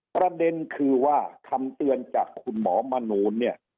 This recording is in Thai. ประเด็นคือว่าคำเตือนจากคุณหมอมนูนเนี่ย